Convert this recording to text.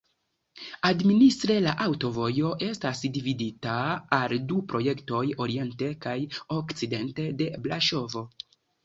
Administre la aŭtovojo estas dividita al du projektoj, oriente kaj okcidente de Braŝovo.